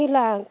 ơm kiểu là